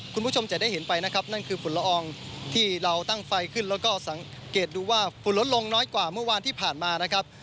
คุณผู้ชมจะได้เห็นไปนะครับนั่นคือฝุ่นละอองที่เราตั้งไฟขึ้นแล้วก็สังเกตดูว่าฝุ่นลดลงน้อยกว่าเมื่อวานที่ผ่านมานะครับ